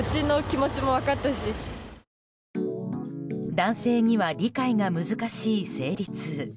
男性には理解が難しい生理痛。